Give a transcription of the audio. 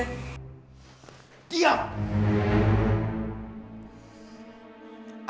aku sedang tidak ingin bicara denganmu